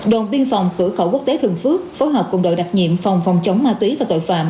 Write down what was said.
đồn biên phòng cửa khẩu quốc tế thường phước phối hợp cùng đội đặc nhiệm phòng phòng chống ma túy và tội phạm